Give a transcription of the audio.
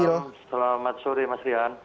selamat sore mas rian